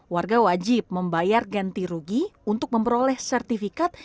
warga wajib membayar ganti rugi untuk memperoleh sertifikat